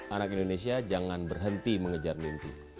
anak indonesia jangan berhenti mengejar mimpi